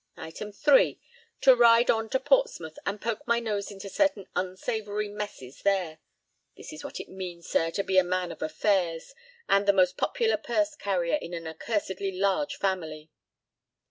Item three, to ride on to Portsmouth and poke my nose into certain unsavory messes there. This is what it means, sir, to be a man of affairs, and the most popular purse carrier in an accursedly large family."